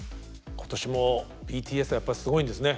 今年もＢＴＳはやっぱりすごいんですね。